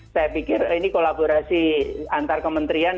saya pikir ini kolaborasi antar kementerian